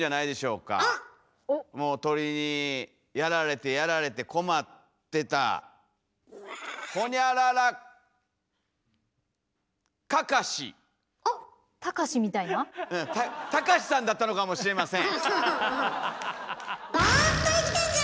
もう鳥にやられてやられて困ってたたかしさんだったのかもしれません。